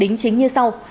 đính chính như sau